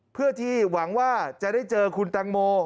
เพื่อที่หวังว่าจะได้เจอคุณตังโม